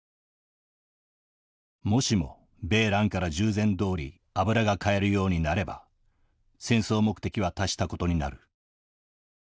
もしも米蘭から従前どおり油が買えるようになれば戦争目的は達したことになる。